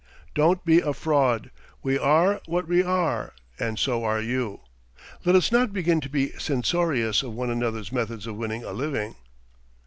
"Don't be a fraud. We are what we are, and so are you. Let us not begin to be censorious of one another's methods of winning a living."